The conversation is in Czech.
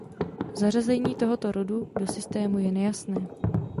Zařazení tohoto rodu do systému je nejasné.